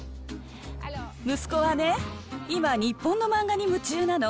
息子はね、今、日本の漫画に夢中なの。